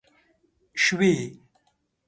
شوې